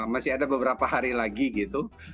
masih ada beberapa hari lagi gitu